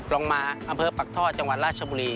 ลงมาอำเภอปักท่อจังหวัดราชบุรี